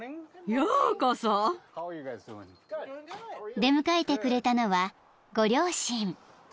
［出迎えてくれたのはご両親］